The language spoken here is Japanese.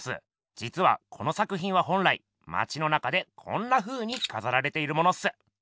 じつはこの作品は本来まちの中でこんなふうにかざられているものっす。